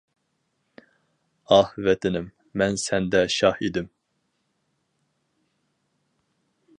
ئاھ، ۋەتىنىم، مەن سەندە شاھ ئىدىم!